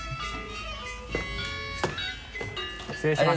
失礼します